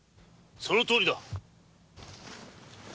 そのとおりだ。